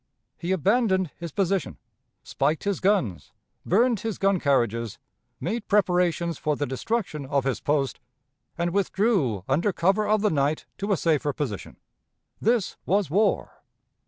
He abandoned his position, spiked his guns, burned his gun carriages, made preparations for the destruction of his post, and withdrew under cover of the night to a safer position. This was war.